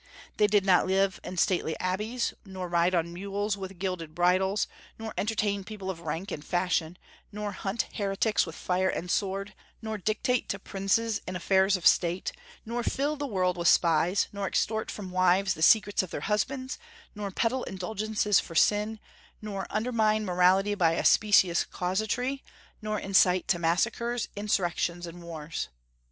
They did not live in stately abbeys, nor ride on mules with gilded bridles, nor entertain people of rank and fashion, nor hunt heretics with fire and sword, nor dictate to princes in affairs of state, nor fill the world with spies, nor extort from wives the secrets of their husbands, nor peddle indulgences for sin, nor undermine morality by a specious casuistry, nor incite to massacres, insurrections, and wars.